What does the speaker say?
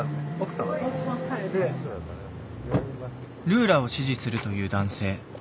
ルーラを支持するという男性。